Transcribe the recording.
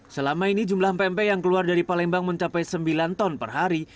selama ini jumlah pempek yang keluar dari palembang mencapai sembilan ton per hari